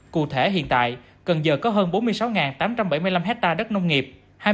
cụ thể hiện tại cần giờ có hơn bốn mươi sáu tám trăm bảy mươi năm hectare đất nông nghiệp